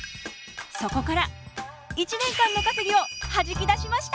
そこから１年間の稼ぎをはじき出しました。